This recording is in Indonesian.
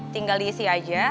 tinggal diisi aja